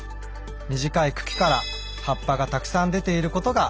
短い茎から葉っぱがたくさん出ていることがわかります。